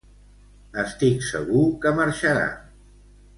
Estic segur que marxarà.